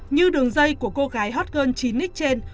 như đường dây của cô gái hot girl chín x trên